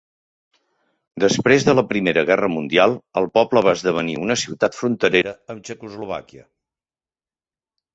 Després de la Primera Guerra Mundial, el poble va esdevenir una ciutat fronterera amb Txecoslovàquia.